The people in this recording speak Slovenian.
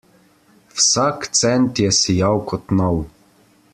Vsak cent je sijal kot nov.